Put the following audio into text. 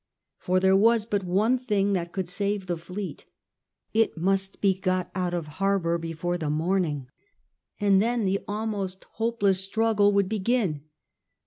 For there was but one thing that could save the fleet. It must be got out of harbour before the morning, and then the almost hopeless struggle would begin.